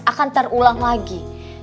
akan terulang lagi